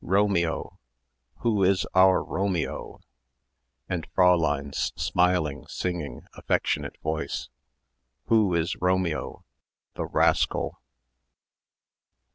Romeo! Who is our Romeo?" and Fräulein's smiling, singing, affectionate voice, "Who is Romeo! The rascal!"